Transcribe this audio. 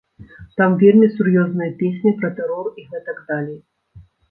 Там вельмі сур'ёзная песня, пра тэрор і гэтак далей.